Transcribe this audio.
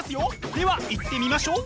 では行ってみましょう。